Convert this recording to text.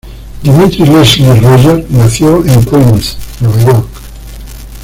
Dimitri Leslie Roger nació en Queens, Nueva York.